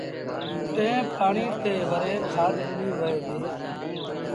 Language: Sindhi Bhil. ٽئيٚن پآڻيٚ تي وري کآڌ ڏنيٚ وهي ديٚ